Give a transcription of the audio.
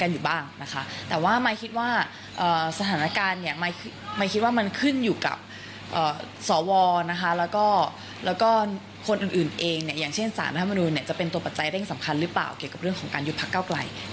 อย่างเช่นสารธรรมนุษย์เนี่ยจะเป็นตัวปัจจัยได้ที่สำคัญหรือเปล่าเกี่ยวกับเรื่องของการหยุดพักเก้าไกล